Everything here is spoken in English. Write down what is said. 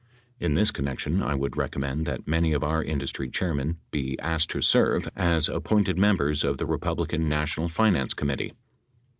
In this connection, I would recommend that many of our industry chairmen be asked to serve as appointed members of the Republican Na tional Finance Committee.